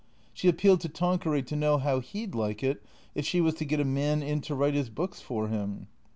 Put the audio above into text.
She appealed to Tanqueray to know how he 'd like it if she was to get a man in to write his books for him.